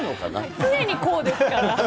常にこうですから。